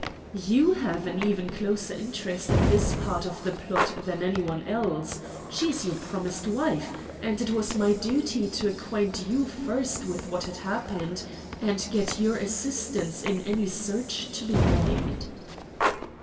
"You have an even closer interest in this part of the plot than any one else. She is your promised wife; and it was my duty to acquaint you first with what had happened, and get your assistance in any search to be made."